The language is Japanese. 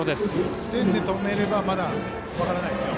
１点で止めればまだ分かりませんよ。